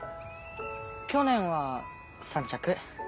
去年は３着。